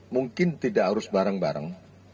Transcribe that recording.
mungkin tidak harus bareng bareng